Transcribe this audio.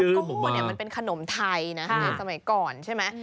คือตะโก้มันเป็นขนมไทยในสมัยก่อนใช่ไหม